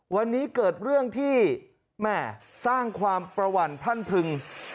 วันนี้เกิดเรื่องที่แม่สร้างความประหวั่นพรั่นพึง